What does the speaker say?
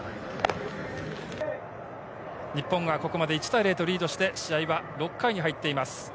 日本がここまで１対０とリードして試合は６回に入っています。